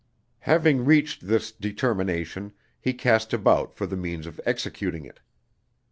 Having reached this determination, he cast about for the means of executing it.